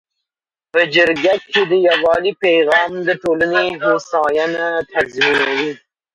په جرګه کي د یووالي پیغام د ټولنې هوساینه تضمینوي.